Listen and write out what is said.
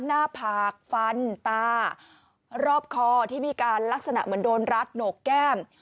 หน้าผากฟันตารอบคอที่มีการลักษณะเหมือนโดนรัดโหนกแก้ม